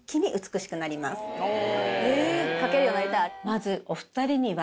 まずお２人には。